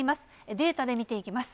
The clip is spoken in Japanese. データで見ていきます。